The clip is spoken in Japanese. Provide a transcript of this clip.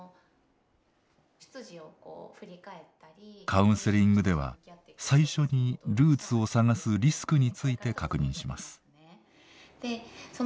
カウンセリングでは最初にルーツを探すリスクについて確認します。